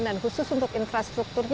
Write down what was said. dan khusus untuk infrastrukturnya